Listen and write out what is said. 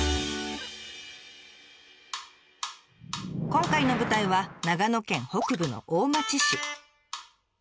今回の舞台は長野県北部の大町市。